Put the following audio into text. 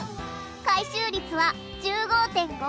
回収率は１５．５％！